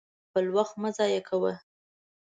خپل وخت مه ضايع کوه!